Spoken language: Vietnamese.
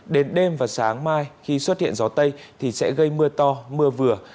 đến đêm và sáng mai khi xuất hiện gió tây thì sẽ gây mưa to mưa vừa